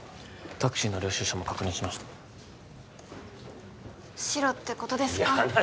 タクシーの領収証も確認しましたシロってことですかいや話